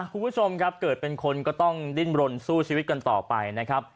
คุณผู้ชมครับเกิดเป็นคนก็ต้องดิ้นรนสู้ชีวิตกันต่อไปนะครับ